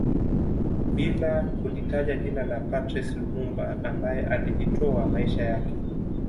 Bila kulitaja jina la Patrice Lumumba ambaye alijitoa maisha yake